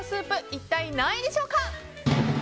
一体何位でしょうか？